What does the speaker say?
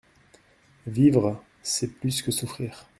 Vivre c’est plus que souffrir.